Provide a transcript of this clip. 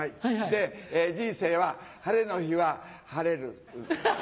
で人生は晴れの日は晴れる。